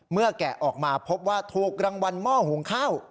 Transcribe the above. แกะออกมาพบว่าถูกรางวัลหม้อหุงข้าว